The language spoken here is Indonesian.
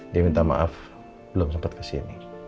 dia minta maaf belum sempat kesini